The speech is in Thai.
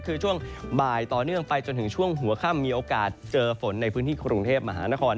คือช่วงบ่ายต่อเนื่องไปจนถึงช่วงหัวค่ำมีโอกาสเจอฝนในพื้นที่กรุงเทพมหานคร